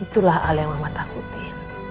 itulah hal yang mama takutin